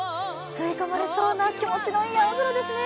吸い込まれそうな気持ちのいい青空ですね。